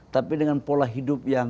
tapi dengan pola hidup